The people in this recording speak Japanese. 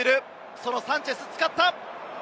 そのサンチェスを使った。